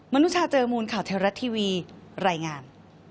มนุษยาเจอมูลข่าวไทรัติวีรายงาน